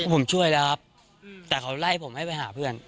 ผมช่วยแล้วครับแต่เขาไล่ผมให้ไปหาเพื่อน